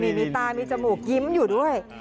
มีตามีจมูกยิ้มอยู่ด้วย